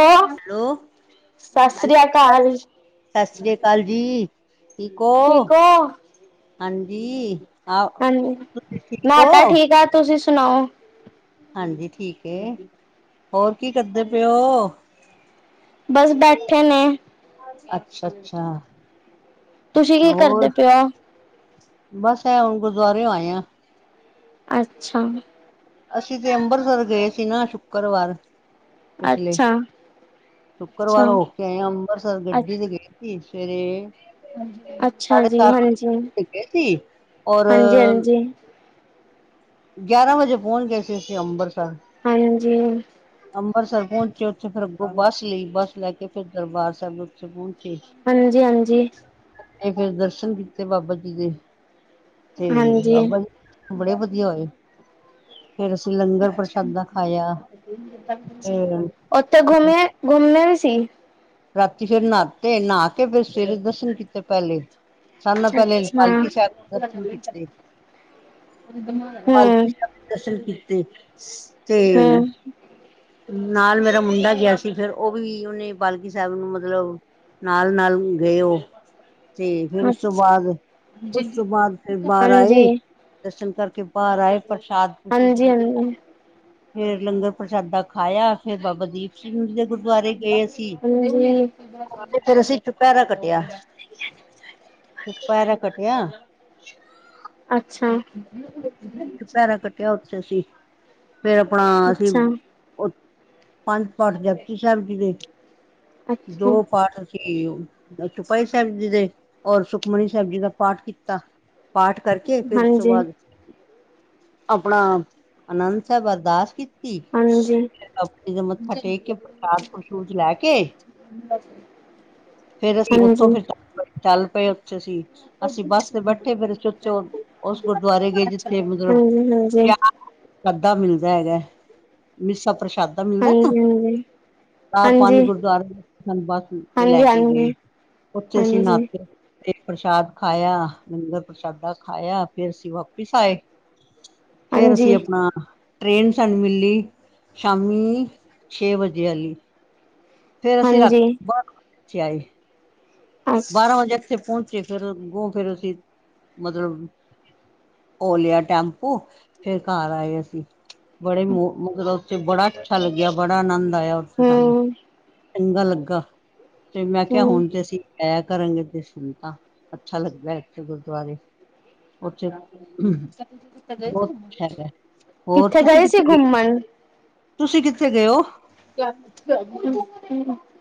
ਆਹ ਹੈਲੋ ਸਤਿ ਸ੍ਰੀ ਹਾਂਜੀ ਅਕਾਲ ਜੀ ਸਤਿ ਸ੍ਰੀ ਅਕਾਲ ਜੀ ਠੀਕ ਹੋ ਹਾਂਜੀ ਆ ਹਾਂਜੀ ਤੁਸੀਂ ਠੀਕ ਮੈਂ ਹੋ? ਤਾਂ ਠੀਕ ਆ ਤੁਸੀਂ ਸੁਣਾਓ ਹਾਂਜੀ ਠੀਕ ਹੋਰ ਕੀ ਕਰਦੇ ਪਏਓ ਬਸ ਬੈਠੇ ਨੇ ਅੱਛਾ ਅੱਛਾ ਤੁਸੀਂ ਅੱਛਾ ਕੀ ਕਰਦੇ ਹੋਰ ਪਏ ਹੋ ਬਸ ਐਂ ਹੁਣ ਗੁਰਦੁਆਰੇ ਆਏਆ ਅੱਛਾ ਅਸੀਂ ਤੇ ਅੰਮ੍ਰਿਤਸਰ ਗਏ ਸੀ ਨਾ ਸ਼ੁੱਕਰਵਾਰ ਪਛਲੇ ਅੱਛਾ, ਅੱਛਾ, ਸ਼ੁੱਕਰਵਾਰ ਹੋ ਕੇ ਆਏ ਅੰਮ੍ਰਿਤਸਰ ਅ ਗੱਡੀ ਤੇ ਗਏ ਸਰੇ ਅੱਛਾ ਸਾਢੇ ਜੀ, ਹਾਂਜੀ। ਸਤ ਗਏ ਸੀ ਔਰ ਹਾਂਜੀ-ਹਾਂਜੀ, ਗਿਆਰਾਂ ਵਜੇ ਪਹੁੰਚ ਗਏ ਸੀ ਅਸੀਂ ਅੰਮਬਰਤਸਰ ਹਾਂਜੀ ਅੰਮ੍ਰਿਤਸਰ ਪਹੁੰਚੇ ਉੱਥੇ ਫਿਰ ਅੱੋਂ ਬੱਸ ਲਈ ਬੱਸ ਲੈ ਕੇ ਫਿਰ ਦਰਬਾਰ ਸਾਹਿਬ ਉੱਥੇ ਪਹੁੰਚੇ ਹਾਂਜੀ ਹਾਂਜੀ ਇਹ ਫੇਿਰ ਦਰਸ਼ਨ ਕੀਤੇ ਬਾਬਾ ਜੀ ਦੇ ਤੇ ਹਾਂਜੀ ਆ ਬੜੇ ਵਧੀਆ ਹੋਏ ਫੇਰ ਅਸੀਂ ਲੰਗ ਉੱਥੇੁ ਫੇਰ ਘੁਮੇ ਘੁੰਮੇ ਵੀ ਸੀ ਰਾਤੀ ਫੇਰ ਨਹਾਤੇ ਨਹਾ ਕੇ ਫਿਰ ਸਵੇਰੇ ਦਰਸ਼ਨ ਕੀਤੇ ਪਹਿਲੇ ਸਾਨ ਨਾਲ ਪਹਿਲੇ ਅੱਛਾ। ਪਾਲਕੀ ਸਾਹਿਬ ਦਰਸ਼ਨ ਕੀਤੇ ਦਮਾਰ ਪਾਲਕੂ ਸਾਹਿਬ ਦੇ ਦਰਸ਼ਨ ਕੀਤੇ ਤੇ ਹੂੰ, ਨਾਲ ਮੇਰਾ ਮੁੰਡਾ ਗਿਆ ਸੀ ਫੇਿਰ ਉਹ ਵੀ ਉਹਨੇ ਬਾਲਕੀ ਸਾਹਿਬ ਨੂੰ ਮਤਲਬ ਨਾਲ ਨਾਲ ਗਏ ਉਹ ਤੇ ਫੇਰ ਉਸ ਤੋਂ ਅੱਛਾ, ਬਾਅਦ ਉਸ ਤੋਂ ਬਾਅਦ ਫੇਰ ਬਾਹਰ ਆਏ ਹਾਂਜੀ। ਦਰਸ਼ਨ ਕਰਕੇ ਬਾਹਰ ਆਏ ਪ੍ਰਸ਼ਾਦ ਪ੍ਰਸੂਦ ਹਾਂਜੀ-ਹਾਂਜੀ, ਫੇਰ ਲੰਗਰ ਪ੍ਰਸ਼ਾਦਾ ਖਾਇਆ ਫੇਰ ਬਾਬਾ ਦੀਪ ਸਿੰਘ ਜੀ ਦੇ ਗੁਰਦੁਆਰੇ ਗਏ ਅਸੀਂ ਹਾਂਜੀ। ਹਾਂਜੀ ਫਰ ਅਸੀਂ ਚੁਪਿਆਰਾ ਕਟਿਆ ਚੁਪਾਰਾ ਕਟਿਆ ਅੱਛਾ ਪੈਰਾ ਕੱਟਿਆ, ਉੱਥੇ ਅਸੀ ਫੇਰ ਆਪਣਾ ਅਸੀਂ ਅੱਛਾ, ਪੰਜ ਪਾਠ ਜਪਤੀ ਸਾਹਿਬ ਜੀ ਦੇ, ਅੱਛਾ ਹਾਂਜੀ। ਦੋ ਪਾਠ ਸੀ। ਚੋਪਈ ਸਾਹਿਬ ਜੀ ਦੇ ਔਰ ਸੁਖਮਨੀ ਸਾਹਿਬ ਜੀ ਦਾ ਪਾਠ ਕੀਤਾ। ਪਾਠ ਕਰਕੇ ਫੇਰ ਤੋਂ ਹਾਂਜੀ, ਬਾਅਦ ਆਪਣਾ ਆਨੰਦ ਸਾਹਿਬ ਅਰਦਾਸ ਕੀਤੀ। ਹਾਂਜੀ, ਆਪਣੇ ਦਾ ਮੱਥਾ ਟੇਕ ਕੇ ਪ੍ਰਸ਼ਾਦ ਪ੍ਰਸੂਦ ਲੈ ਕੇ, [unintelligible] ਫੇਰ ਅਸੀਂ ਉੱਥੋਂ ਹਾਂਜੀ, ਫੇਰ ਚੱਲ ਪਏ, ਉੱਥੇ ਅਸੀ ਅਸੀਂ ਬੱਸ ਤੇ ਬੈਠੇ ਫੇਰ ਔ ਉਸ ਗੁਰਦੁਆਰੇ ਗਏ, ਜਿੱਥੇ ਹਾਂਜੀ। ਮਤਲਬ ਹਾਂਜੀ, ਹਾਂਜੀ, ਪਿਆ। ਸਾਧਾ ਮਿਲਦਾ ਹੈਗਾ, ਮਿਸਾ ਪ੍ਰਸ਼ਾਦਾ ਮਿਲਦਾ ਨਾ ਹਾਂਜੀ ਹਾਂਜੀ, ਚਾਰ ਪੰਜ ਹਾਂਜੀ, ਗੁਰਦੁਆਰੇ ਸਾਨੂੰ ਬੱਸ ਤੇ ਲੈ ਕੇ ਗਏ। ਉੱਥੇ ਅਸੀਂ ਹਾਂਜੀ। ਨਾਤੇ ਪ੍ਰਸ਼ਾਦ ਖਾਇਆ, ਲੰਗਰ ਪ੍ਰਸ਼ਾਦਾ ਖਾਇਆ ਫਿਰ ਅ ਅ ਵਾਪਿਸ ਆਏ, ਫੇਰ ਅਸੀਂ ਹਾਂਜੀ, ਆਪਣਾ ਟ੍ਰੇਨ ਸਾਨੂੰ ਮਿਲੀ ਸ਼ਾਮੀ ਛੇ ਵਜੇ ਆਲੀ, ਫੇਰ ਅਸੀਂ ਹਾਂਜੀ ਰਾਤੀ ਬੱਛ ਆਏ। ਅ ਬਾਰਾਂ ਵਜੇ ਇੱਥੇ ਪਹੁੰਚੇ ਫੇਰ ਗੋ ਫੇਰ ਅਸੀਂ ਮਤਲਬ ਓ ਲਿਆ, ਟੈਂਪੂ ਫੇਰ ਘਰ ਆਏ ਅਸੀਂ ਬੜੇ ਮ ਮਤਲਬ ਉੱਥੇ ਬੜਾ ਅੱਛਾ, ਲੱਗਿਆ ਬੜਾ ਆਨੰਦ ਆਇਆ, ਉੱਥੇ ਸਾਨੂੰ ਹੂੰ, ਚੰਗਾ ਲੱਗਾ, ਤੇ ਮੈਂ ਕਿਹਾ ਹੂੰ। ਹੁਣ ਤੇ ਅਸੀ। ਇਹ ਕਰਗੇ ਤੇ ਸੁਣ ਤਾਂ ਅੱਛਾ ਲੱਗਦਾ, ਇੱਥੇ ਗੁਰਦੁਆਰੇ ਉੱਥੇ ਬਹੁਤ ਹੈ, ਹੋਰ ਤੁਸੀਂ ਗਏ ਸੀ ਕਿੱਥੇ ਗੇ? ਘੁੰਮਣ? ਤੁਸੀਂ ਕਿੱਥੇ ਗਏ ਹੋ? [unintelligible]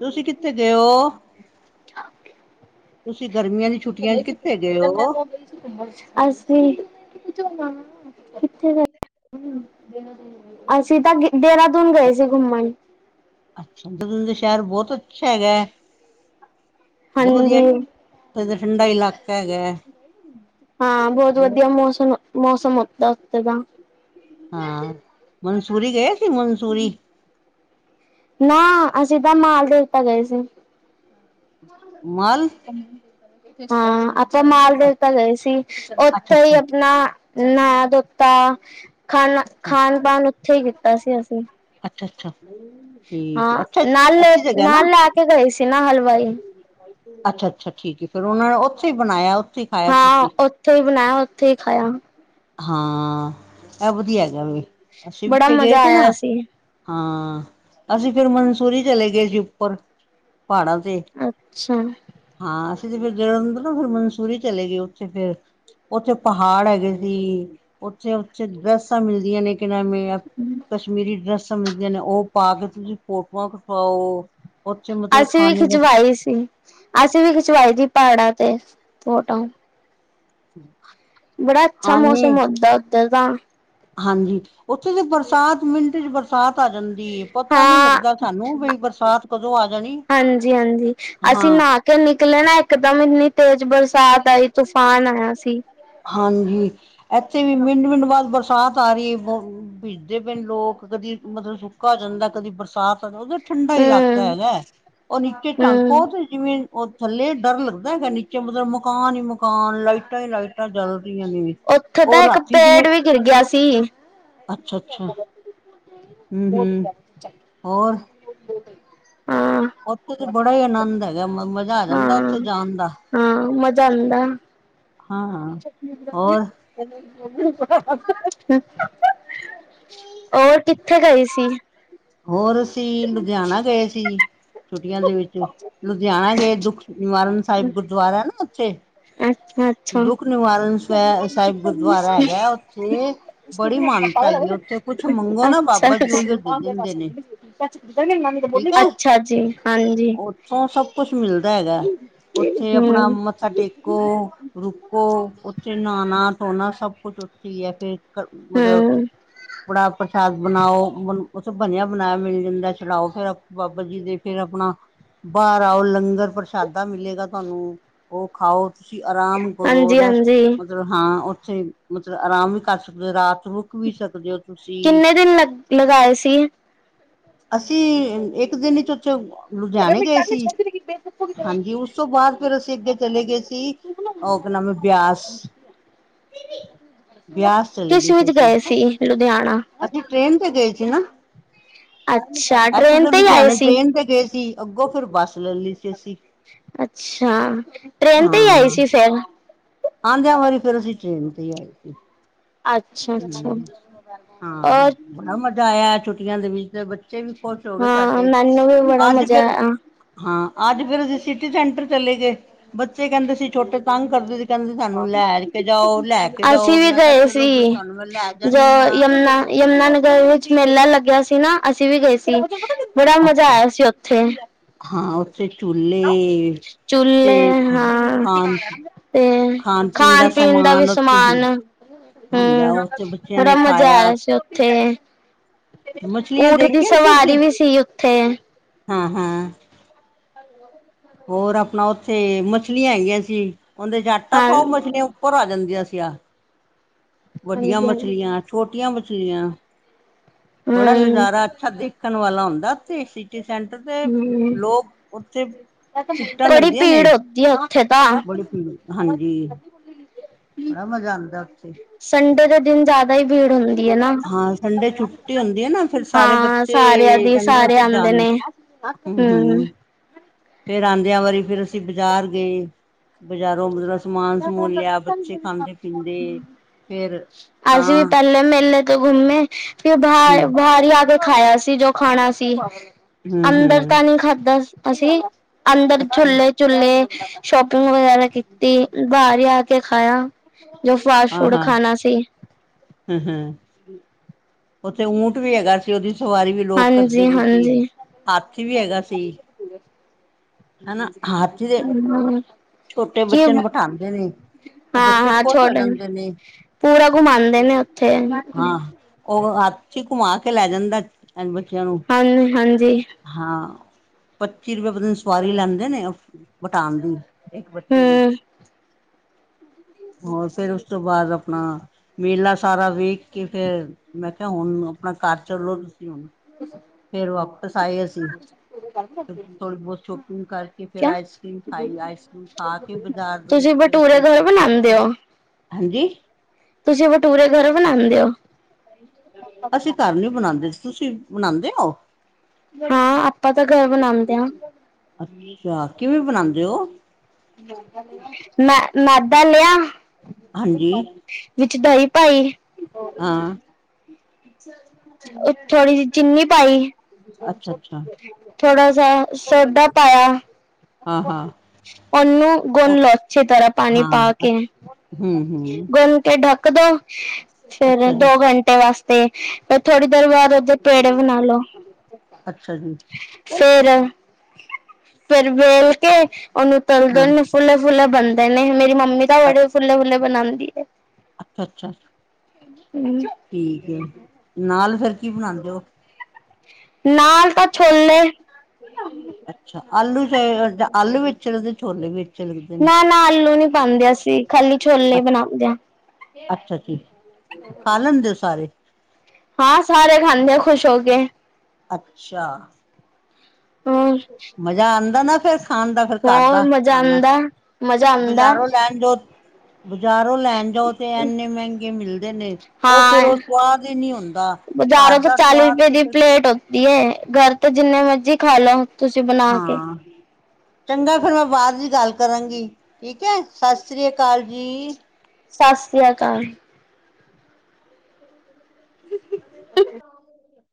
ਤੁਸੀਂ ਕਿੱਥੇ ਗਏ ਹੋ? ਤੁਸੀਂ ਗਰਮੀਆਂ ਦੀ ਛੁੱਟੀਆਂ ਚ ਕਿੱਥੇ ਗਏ ਹੋ? ਅਸੀਂ ਕਿਥੇ [inaudible] ਅਸੀਂ ਤਾਂ ਦੇਹਰਾਦੂਨ ਗਏ ਸੀ, ਘੁੰਮਣ ਅੱਛਾ, ਦਾ ਸ਼ਹਿਰ ਬਹੁਤ ਅੱਛਾ ਹੈਗਾ ਹੈ, ਬਹੁਤ ਵਧੀਆ ਹਾਂਜੀ। ਇਹ ਤਾਂ ਠੰਡਾ ਇਲਾਕਾ ਹੈਗਾ। ਹਾਂ ਬਹੁਤ ਵਧੀਆ ਮੌਸਮ-ਮੌਸਮ ਦਾ ਉੱਥੇ ਦਾ, ਹਾਂ। ਮਨਸੂਰੀ ਗਏ ਸੀ ਮਨਸੂਰੀ? ਨਾ ਅਸੀਂ ਤਾਂ ਮਾਲ ਦੇਵਤਾਂ ਗਏ ਸੀ। ਮਾਲ ਹਾਂ, ਆਪਾਂ ਅੱਛਾ ਮਾਲਦੇਵਤਾਂ ਗਏ ਸੀ, ਅੱਛਾ ਉੱਥੇ ਹੀ ਆਪਣਾ ਨਹਾ ਧੋਤਾ ਅੱਛਾ ਖਾਣਾ-ਖਾਣ ਪਾਨ ਉੱਥੇ ਹੀ ਕੀਤਾ ਸੀ, ਅਸੀ ਅੱਛਾ-ਅੱਛਾ, ਹਾਂ ਨਾਲ ਜਗ੍ਹਾ ਨਾ ਨਾਲ ਆ ਕੇ ਗਏ ਸੀ, ਨਾ ਹਲਵਾਈ ਅੱਛਾ-ਅੱਛਾ, ਠੀਕ ਫੇਰ ਉਹਨਾਂ ਨੇ ਉੱਥੇ ਹੀ ਬਣਾਇਆ ਉੱਥੇ ਖਾਇਆ ਹਾਂ ਤੁਸੀਂ ਉੱਥੇ ਹੀ ਬਣਾਇਆ ਉੱਥੇ ਹੀ ਖਾਇਆ। ਹਾਂ ਇਹ ਵਧੀਆ ਗਾ ਵੀ ਅਸੀਂ ਬੜਾ ਪਿੱਛੇ ਗਏ ਮਜ਼ਾ ਸੀ ਨਾ, ਆਇਆ ਹਾਂ, ਅਸੀਂ ਫਿਰ ਮਨਸੂਰੀ ਚਲੇ ਗਏ ਸੀ, ਉੱਪਰ ਪਹਾੜਾਂ ਤੇ ਅੱਛਾ, ਹਾਂ, ਅਸੀਂ ਤੇ ਫਿਰ ਜਲ ਤੋਂ ਨਾ ਫਿਰ ਮਨਸੂਰੀ ਚਲੇ ਗਏ, ਉੱਥੇ ਫਿਰ ਉੱਥੇ ਪਹਾੜ ਹੈਗੇ ਸੀ, ਉੱਥੇ-ਉਥੇ ਡਰਸਾਂ ਮਿਲਦੀਆਂ ਨੇ ਕਿ ਨਵੇਂ ਕਸ਼ਮੀਰੀ ਡਰੈਸ ਮਿਲਦੀਆਂ ਨੇ, ਉਹ ਪਾ ਕੇ ਤੁਸੀਂ ਫੋਟੋਆਂ ਖਚਾਓ। ਅਸੀਂ ਵੀ ਖਿਚਵਾਈ ਸੀ, ਅਸੀਂ ਵੀ ਖਿਚਵਾਈ ਸੀ, ਪਹਾੜਾਂ ਤੇ ਫੋਟੋ [unintelligible] ਬੜਾ ਅੱਛਾ ਆਨੇ ਮੌਸਮ ਹੁੰਦਾ ਉੱਧਰ ਦਾ ਹਾਂਜੀ! ਉੱਥੇ ਤੇ ਬਰਸਾਤ ਮਿੰਟ ਚ, ਬਰਾ ਬਰਸਾਤ ਆ ਜਾਂਦੀ। ਪਤਾ ਨੀ ਹਾਂ ਲੱਗਦਾ ਸਾਨੂੰ ਬਈ ਬਰਸਾਤ ਕਦੋਂ ਆ ਜਾਣੀ। ਹਾਂਜੀ -ਹਾਂਜੀ ਹਾਂ ਨਾਹਾ ਕੇ ਨਿਕਲੇ ਨਾ ਇਕਦਮ, ਇੰਨੀ ਤੇਜ਼ ਬਰਸ [inaudible] ਹਾਂਜੀ। ਇੱਥੇ ਵੀ ਮਿੰਟ -ਮਿੰਟ ਬਾਅਦ ਬਰਸਾਤ ਆ ਰਹੀ ਹੈ। ਬ ਬੀਜਦੇ ਪਏ ਲੋਕ ਕਦੀ ਮਤਲਬ ਸੁੱਕਾ ਹੋ ਜਾਂਦਾ ਕਦੀ ਬਰਸਾਤ ਆ ਉਹਦੇ ਠੰਡਾ ਇਲਾਕਾ ਹੂੰ-ਹੂੰ ਹੈਗਾ। ਉਹ ਨੀਚੇ ਝੰਕੋ ਤੇ ਜਿਵੇਂ ਉਹ ਥੱਲੇ ਡਰ ਲੱਗਦਾ ਹੈਗਾ। ਨੀਚੇ ਮਤਲਬ ਮਕਾਨ ਹੀ ਮਕਾਨ ਲਾਈਟਾਂ ਹੀ ਲਾਈਟਾਂ ਚੱਲਦੀਆਂ ਨੇ ਉੱਥੇ ਉਹ ਤਾਂ ਇੱਕ ਰਾਤੀ ਜਿਵੇਂ ਪੇੜ ਵੀ ਗਿਰ ਗਿਆ ਸੀ। ਅੱਛਾ -ਅੱਛਾ! ਹਮ-ਹਮ ਹੋਰ ਹੋ ਉੱਥੇ ਤਾਂ ਬੜਾ ਹੀ ਆਨੰਦ ਹੈਗਾ ਮਜ਼ਾ ਆ ਜਾਂਦਾ। ਉੱਥੇ ਹਾਂ-ਹਾਂ-ਹਾਂ ਜਾਣ ਦਾ ਮਜ਼ਾ ਆਉਂਦਾ ਹਾਂ ਚਨੀ ਹੋਰ ਹੋਰ ਕਿੱਥੇ ਗਏ ਸੀ? ਹੋਰ ਅਸੀਂ ਲੁਧਿਆਣਾ ਗਏ ਸੀ। ਛੁੱਟੀਆਂ ਦੇ ਵਿੱਚ ਲੁਧਿਆਣਾ ਗਏ। ਦੁੱਖ ਨਿਵਾਰਨ ਸਾਹਿਬ ਗੁਰਦੁਆਰਾ ਹੈ। ਨਾ ਉੱਥੇ ਅੱਛਾ-ਅੱਛਾ-ਅੱਛਾ ਦੁੱਖ ਨਿਵਾਰਨ ਸਵੈ ਸਾਹਿਬ ਗੁਰਦੁਆਰਾ ਹੈਗਾ ਉੱਥੇ, ਬੜੀ ਮਾਨਤਾ ਹੈਗੀ ਉੱਥੇ ਕੁੱਛ ਮੰਗੋ ਨਾ ਅੱਛਾ ਅੱਛਾ ਬਾਬਾ ਜੀ ਉਹੀਓ ਦੇ ਦਿੰਦੇ ਨੇ। ਅੱਛਾ ਠੀਕ ਆ ਜੀ ਹਾਂਜੀ ਓਥੋਂ ਸਭ ਕੁਛ ਮਿਲਦਾ ਹੈਗਾ। ਉੱਥੇ ਆਪਣਾ ਮੱਥਾ ਟੇਕੋ, ਰੁਕੋ ਉੱਥੇ ਨਹਾਣਾ -ਧੋਣਾ ਸਭ ਕੁਛ ਉੱਥੇ ਹੀ ਏ। ਫੇਰ ਮਤਲਬ ਹੂੰ-ਹੂੰ ਕੜਾ ਪ੍ਰਸ਼ਾਦ ਬਣਾਓ ਬ ਉੱਥੇ ਬਣਿਆ ਬਣਾਇਆ ਮਿਲ ਜਾਂਦਾ ਚਲਾਓ ਫਿਰ ਬਾਬਾ ਜੀ ਦੇ ਫੇਰ ਆਪਣਾ ਬਾਹਰ ਆਓ ਲੰਗਰ ਪ੍ਰਸ਼ਾਦਾ ਮਿਲੇਗਾ ਤੁਹਾਨੂੰ। ਉਹ ਖਾਓ ਤੁਸੀਂ ਆਰਾਮ ਕਰੋ ਰੈਸਟ ਹਾਂਜੀ-ਹਾਂਜੀ ਮਤਲਬ ਹਾਂ ਉੱਥੇ ਮਤਲਬ ਆਰਾਮ ਕਰ ਸਕਦੇ ਹੋ ਰਾਤ ਰੁਕ ਵੀ ਸਕਦੇ ਹੋ। ਤੁਸੀਂ ਕਿੰਨੇ ਦਿਨ ਲਗ ਲਗਾਏ ਸੀ? ਅਸੀਂ ਇੱਕ ਦਿਨ ਚ ਉਥੇ ਲੁਧਿਆਣੇ ਗਏ ਸੀ। ਹਾਂਜੀ ਉਸ ਉਸ ਤੋਂ ਬਾਅਦ ਫਿਰ ਅਸੀਂ ਅੱਗੇ ਚਲੇ ਗਏ ਸੀ ਉਹ ਕ ਨਾਮ ਹੈ ਬਿਆਸ। ਬਿਆਸ ਕਿਸ ਵਿੱਚ ਗਏ ਸੀ ਲੁਧਿਆਣਾ? ਅੱਛੀ ਟ੍ਰੇਨ ਤੇ ਗਏ ਸੀ ਨਾ ਅੱਛਾ ਇੱਥੋਂ ਟ੍ਰੇਨ ਤਾਂ ਤੇ ਹੀ ਆਏ ਲੁਧਿਆਣੇ ਸੀ ਟ੍ਰੇਨ ਤੇ ਗਏ ਸੀ, ਅੱਗੋਂ ਫਿਰ ਬੱਸ ਲੈ ਲਈ ਸੀ ਅਸੀਂ। ਅੱਛਾ! ਟ੍ਰੇਨ ਤੇ ਹੀ ਆਈ ਹਾਂ ਸੀ ਫੇਰ? ਆਉਂਦਿਆਂ ਵਾਰੀ ਫਿਰ ਅਸੀਂ ਟ੍ਰੇਨ ਤੇ ਹੀ ਆਏ ਸੀ। ਅੱਛਾ -ਅੱਛਾ ਹਮ ਹਾਂ ਔਰ ਬੜਾ ਮਜ਼ਾ ਆਇਆ। ਛੁੱਟੀਆਂ ਦੇ ਵਿੱਚ, ਤੇ ਬੱਚੇ ਵੀ ਖੁਸ਼ ਹੋ ਗਏ। ਹਾਂ ਸਾਡੇ ਮੈਨੂੰ ਵੀ ਬੜਾ ਅੱਜ ਮਜ਼ਾ ਫਿਰ ਆਇਆ ਹਾਂ। ਅੱਜ ਫੇਰ ਅਸੀਂ ਸਿਟੀ ਸੈਂਟਰ ਚਲੇ ਗਏ। ਬੱਚੇ ਕਹਿੰਦੇ ਸੀ ਛੋਟੇ ਤੰਗ ਕਰਦੇ ਸੀ। ਕਹਿੰਦੇ ਸਾਨੂੰ ਲੈ ਕੇ ਜਾਓ -ਲੈ ਕੇ ਜਾਓ। ਮੈਂ ਕਿਹਾ ਚਲੋ ਤੁਹਾਨੂੰ ਮੈਂ ਲੈ ਜ ਜਾਂਦੀ ਹਾਂ ਯਮੁਨਾ- ਯਮੁਨਾ ਨਗਰ ਵਿੱਚ ਮੇਲਾ ਲੱਗਿਆ ਸੀ ਨਾ। ਅਸੀਂ ਵੀ ਗਏ ਸੀ। ਬੜਾ ਮਜ਼ਾ ਅੱਛਾ ਆਇਆ ਸੀ ਉੱਥੇ। ਹਾਂ ਉੱਥੇ ਝੂਲੇੇ ਤੇ ਚੁੱਲੇ ਖਾ ਹਾਂ ਖਾਣ ਤੇ ਖਾਣ ਪੀਣ ਦਾ ਸਮਾਨ ਉੱਥੇ ਹੁ ਹਮ ਬੜਾ ਮਜ਼ਾ ਖਾਇਆ ਆਇਆ ਸੀ ਓਥੇ। ਮਛਲੀਆਂ ਊਠ ਦੀ ਦੇਖੀਆਂ ਨੇ ਸਿਰ ਤੇ ਸਵਾਰੀ ਵੀ ਸੀ ਉੱਥੇ। ਹਾਂ ਹਾਂ ਹੋਰ ਆਪਣਾ ਉੱਥੇ ਮੱਛਲੀਆਂ ਹੈਗੀਆਂ ਸੀ। ਉਹਦੇ ਚ ਆਟਾ ਹਾਂ ਪਾਓ ਮਛਲੀਆਂ ਉੱਪਰ ਆ ਜਾਂਦੀਆਂ ਸੀਆ ਵੱਡੀਆਂ ਹਾਂਜੀ ਹਾਂਜੀ ਮੱਛਲੀਆਂ, ਛੋਟੀਆਂ ਮੱਛਲੀਆਂ, ਬੜਾ ਨਜ਼ਾਰਾ ਅੱਛਾ ਦੇਖ ਦੇਖਣ ਵਾਲਾ ਹੁੰਦਾ ੳਥੇ, ਸਿਟੀ ਸੈਂਟਰ ਤੇ ਲੋਕ ਉੱਥੇ ਟਿਕਟਾਂ ਬੜੀ ਭੀੜ ਹੋੱਤੀ ਏ, ਉੱਥੇ ਤਾਂ। ਬਲੀ ਭੀਡ, ਹਾਂਜੀ। ਬੜਾ ਮਜ਼ਾ ਆਂਦਾ ਉੱਥੇ। ਸੰਡੇ ਦੇ ਦਿਨ ਜ਼ਿਆਦਾ ਹੀ ਭੀੜ ਹੁੰਦੀ। ਏ ਨਾ, ਹਾਂ ਸੰਡੇ ਛੁੱਟੀ ਹੁੰਦੀ ਹੈ ਨਾ ਫਿਰ ਸਾਰੇ ਹਾਂ ਬੱਚੇ ਸਾਰਿਆਂ ਦੀ। ਕਹਿੰਦੇ ਸਾਰੇ ਅਸੀਂ ਆਂਦੇ ਜਾਣਾ ਨੇ। ਹੂੰ। ਫਿਰ ਆਂਦਿਆਂ ਵਾਰੀ ਫਿਰ ਅਸੀਂ ਬਾਜ਼ਾਰ ਗਏ। ਬਜ਼ਾਰੋਂ ਮਤਲਬ ਸਮਾਨ ਸਮੂਨ ਲਿਆ ਬੱਚੇ ਖਾਂਦੇ ਪੀਂਦੇ ਫੇਰ ਅਸੀਂ ਤਾਂ ਵੀ ਪਹਿਲੇ ਮੇਲੇ ਤੇ ਘੁੰਮੇ, ਫਿਰ ਹੂੰ ਬਾਹਰ-ਬਾਹਰ ਈ ਆਕੇ ਖਾਇਆ ਸੀ, ਜੋ ਖਾਣਾ ਸੀ। ਹੂੰ ਅੰਦਰ ਤਾਂ ਹੂੰ ਨਹੀਂ ਖਾਧਾ ਅਸੀਂ, ਅੰਦਰ ਅੱਛਾ ਝੁੱਲੇ, ਚੁਲੇ। ਸ਼ੌਪਿੰਗ ਵਗੈਰਾ ਕੀਤੀ, ਬਾਹਰ ਹੀ ਆਕੇ ਖਾਇਆ ਜੋ ਫਾਸਟ- ਹਾਂ ਫੂਡ ਹਾਂ ਖਾਣਾ ਸੀ। ਹੂੰ, ਹੂੰ ਉੱਥੇ ਊਂਂਠ ਵੀ ਹੈਗਾ ਸੀ, ਉਹਦੀ ਸਵਾਰੀ ਵੀ ਲੋਕ ਕਰਦੇ ਪਏ ਸੀ। ਹਾਂਜੀ-ਹਾਂਜੀ। ਹਾਥੀ ਵੀ ਹੈਗਾ ਸੀ। ਹਨਾ, ਹ ਹਾਥੀ ਦੇ, ਛੋਟੇ ਕਿ ਬੱਚੇ ਨੂੰ ਬਿਠਾਂਉਦੇ ਨੇ। ਉਹ ਬੱਚੇ ਹਾਂ-ਹਾਂ ਖੁਸ਼ ਹੋ ਛੋਟਿਆ ਨ ਜਾਂਦੇ ਨੇ ਪੂਰਾ ਘੁਮਾਂਦੇ ਨੇ ਉੱਥੇ। ਹਾਂ ਉਹ ਹਾਥੀ ਘੁਮਾਕੇ ਲੈ ਜਾਂਦਾ। ਬੱਚਿਆਂ ਨੂੰ ਹਾਂਨੀ-ਹਾਂਜੀ। ਹਾਂ, ਪੱਚੀ ਰੁਪਏ ਦਿਨ ਸਵਾਰੀ ਲੈਂਦੇ ਨੇ, ਵਟਾਣ ਦੀ। ਇਕ ਬੱਚੇ ਦੀ। ਹੂੰ ਹੋਰ, ਫਿਰ ਉਸ ਉਸ ਤੋਂ ਬਾਅਦ ਅਪਣਾ, ਮੇਲਾ ਸਾਰਾ ਵੇਖਕੇ ਫਿਰ ਮੈਂ ਕਿਹਾ ਹੁਣ, ਆਪਣਾ ਘਰ ਚਲੋ ਤੁਸੀਂ ਫਿਰ ਵਾਪਿਸ ਆਏ ਅਸੀ। ਫ ਥੋੜੀ ਬਹੁਤ ਸ਼ੋਪਿੰਗ ਕਰਕੇ ਫੇਰ ਆਏ ਸੀ, ਖਾਈ ਆਈਸਕ੍ਰੀਮ ਖਾ ਕੇ ਬਾਜ਼ਾਰ ਦੇ ਵਿੱਚ ਤੁਸੀ ਫੇਰ ਬਟੂਰੇ ਅਸੀਂ ਥੋਡੀ ਬਣਾਂਦੇ ਹੋ। ਹਾਂਜੀ? ਤੁਸੀ ਭਟੂਰੇ ਘਰੇ ਬਣਾਂਦੇ ਹੋ? ਅਸੀ ਘਰ ਨੀ ਬਣਾਂਦੇ, ਤੁਸੀ ਬਣਾਂਦੇ ਓ? ਹਾਂ, ਆਪਾਂ ਤਾਂ ਘਰ ਬਣਾਂਦੇ ਆਂ। ਅੱ, ਅੱਛਾ, ਕਿਵੇਂ ਬਣਾਂਦੇ ਹੋ? ਮੈ, ਮੈਦਾ ਲਿਆ ਹਾਂਜੀ ਵਿਚ ਦਹੀਂ ਪਾਈ। ਹਾਂ। ਉਹ, ਥੋੜ੍ਹੀ ਜਿਹੀ ਚੀਨੀ ਪਾਈ- ਅੱਛਾ ਅੱਛਾ ਥੋੜਾ ਸਾ, ਸੋਡਾ ਪਾਇਆ। ਹਾਂ-ਹਾਂ ੳਹਨੂੰ ਗੁੰਨਲੋ ਅੱਛੀ ਤਰ੍ਹਾ ਪਾਣੀ ਹਾਂ ਪਾਕੇ, ਅੱਛ ਹੂੰ ਹੂੰ ਗੁੰਨਕੇ ਢ ਕਦੋ? ਫੇਰ ਅੱਛਾ ਦੋ ਜੀ ਘੰਟੇ ਵਾਸਤੇ। ਥੋੜੀ ਦੇਰ ਬਾਅਦ ਉਹਦੇ ਪੇੜੇ ਅੱਛਾ ਜੀ। ਫਿਰ, ਫਿਰ ਵੇਲ ਕੇ ਉਹਨੂੰ ਤਲਦੇ ਹਾਂ ਨੇ ਫੁੱਲੇ-ਫੁੱਲੇ ਬਣਦੇ ਨੇ, ਮੇਰੀ ਮੰਮੀ ਤਾਂ ਬੜੇ ਫੁੱਲੇ-ਫੁੱਲੇ ਬਣਾਂਦੀ ਏ। ਅਛਾ-ਅਛਾ ਹਮ ਠੀਕ ਏ, ਨਾਲ ਫਿਰ ਕੀ ਬਣਾਂਦੇ ਓ? ਨਾਲ ਤਾ ਛੋਲੇ। ਅਛਾ ਆਲੂ'ਚ, ਆਲੂ ਵਿੱਚ ਤੇ ਛੋਲੇ ਵਿੱਚ ਲੱਗਦੇ ਨੇ ਨਾ-ਨਾ, ਆਲੂ ਨੀ ਪਾਂਦੇ ਅਸੀ, ਖਾਲੀ ਛੋਲੇ ਬਣਾਂਦੇ ਆਂ। ਅਛਾ ਜੀ। ਖਾ ਲੈਂਦੇ ਹੋ ਸਾਰੇ? ਹਾਂ, ਸਾਰੇ ਖਾਂਦੇ ਆ ਖੁਸ਼ ਹੋਕੇ। ਅਛਾ! ਹੋਰ ਮਜ਼ਾ ਆਉਦਾ ਨਾ ਫੇਰ ਖਾਣ ਦਾ ਫੇਰ ਘਰਦਾ ਮਜ਼ਾ ਖਾਣਾ, ਆਉਂਦਾ ਮਜ਼ਾ ਆਉਂਦਾ ਬਜ਼ਾਰੋ ਲੈ ਜੋ, ਬਜ਼ਾਰੋਂ ਲੈਣ ਜਾਓ ਤੇ ਇਨੇ ਮਹਿੰਗੇ ਮਿਲਦੇ ਨੇ ਉਹ ਫੇਰ ਹਾਂ ਉਹ ਸੁਵਾਦ ਹੀ ਨਹੀ ਹੁੰਦਾ- ਬਜ਼ਾਰੋਂ ਘਰ ਤੋਂ ਦਾ ਚਾਲੀ ਸਵਾਦ ਰੁਪਏ ਤੇ ਦੀ ਫਿਰ ਪਲੇਟ ਹੁੰਦੀ ਹੈ। ਘਰ ਤੋਂ ਜਿੰਨੇ ਮਰਜੀ ਖਾ ਲਾ ਹਾਂ- ਚੰਗਾ ਫਿਰ ਮੈਂ ਬਾਅਦ ਦੀ ਗੱਲ ਕਰਾਂਗੀ, ਠੀਕ ਹੈ। ਸਤਿ ਸ੍ਰੀ ਅਕਾਲ ਜੀ। ਸਤਿ ਸ੍ਰੀ ਅਕਾਲ। [inaudible]